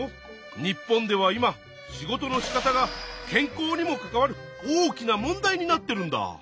日本では今仕事のしかたが健康にも関わる大きな問題になってるんだ。